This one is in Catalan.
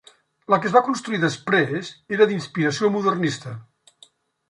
La que es va construir després, era d'inspiració modernista.